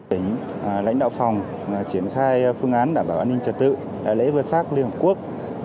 tỉnh lãnh đạo phòng triển khai phương án đảm bảo an ninh trả tử đại lễ vê sắc liên hợp quốc hai nghìn một mươi chín